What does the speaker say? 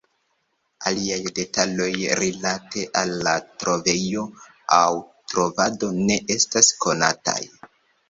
Aliaj detaloj rilate al la trovejo aŭ trovado ne estas konataj.